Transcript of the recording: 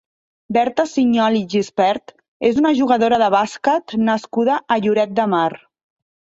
Berta Sinyol i Gispert és una jugadora de bàsquet nascuda a Lloret de Mar.